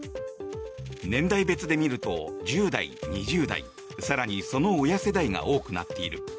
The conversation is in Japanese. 年代別で見ると１０代、２０代更にその親世代が多くなっている。